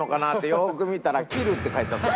よーく見たら「Ｋｉｌｌ」って書いてあった。